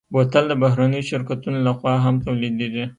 بوتل د بهرنيو شرکتونو لهخوا هم تولیدېږي.